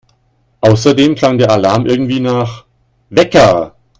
Außerdem klang der Alarm irgendwie nach … Wecker!